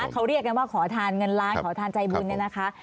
เขาเรียกกันว่าขอทานเงินล้านขอทานใจบุญเนี่ยนะคะ